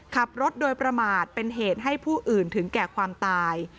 ขับรถโดยประมาทเป็นเหตุให้ผู้อื่นถึงแก่ความตาย